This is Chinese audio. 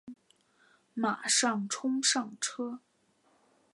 马上冲上车